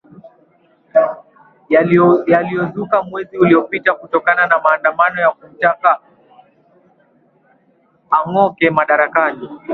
yaliozuka mwezi uliopita kutokana na maandamano ya kumtaka ang oke madarakani